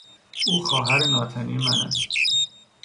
او خواهر ناتنی من است.